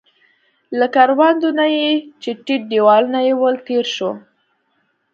له کروندو نه چې ټیټ دیوالونه يې ول، تېر شوو.